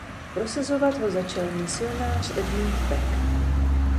Prosazovat ho začal misionář Edmund Peck.